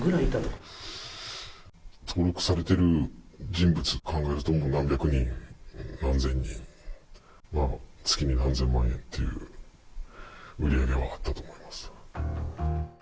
登録されてる人物で考えると、何百人、何千人は月に何千万円っていう売り上げはあったと思います。